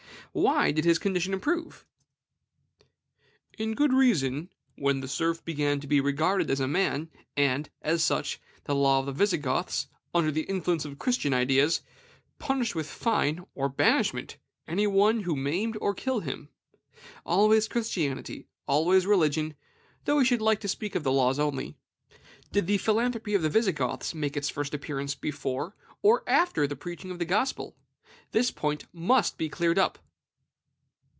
Why did his condition improve? "In good season..." [when?] "the serf began to be regarded as a man; and, as such, the law of the Visigoths, under the influence of Christian ideas, punished with fine or banishment any one who maimed or killed him." Always Christianity, always religion, though we should like to speak of the laws only. Did the philanthropy of the Visigoths make its first appearance before or after the preaching of the Gospel? This point must be cleared up.